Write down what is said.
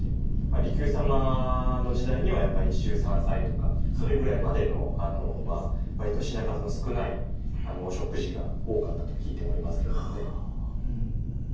利休様の時代には一汁三菜とかそれぐらいまでの割と品数の少ないお食事が多かったと聞いておりますけれどもね。